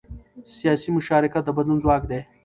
سیاسي مشارکت د بدلون ځواک دی